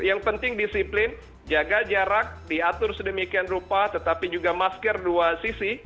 yang penting disiplin jaga jarak diatur sedemikian rupa tetapi juga masker dua sisi